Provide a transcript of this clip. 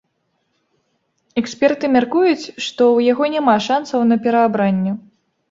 Эксперты мяркуюць, што ў яго няма шанцаў на пераабранне.